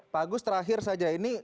pak agus terakhir saja ini